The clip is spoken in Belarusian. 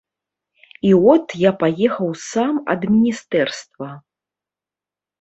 І от я паехаў сам ад міністэрства.